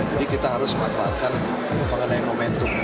kita harus manfaatkan mengenai momentum